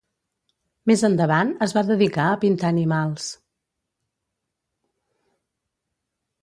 Més endavant es va dedicar a pintar animals.